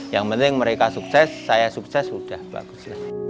yang penting mereka sukses saya sukses sudah bagus